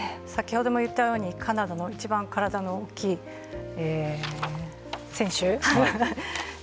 先ほども言ったようにカナダの一番体の大きい選手。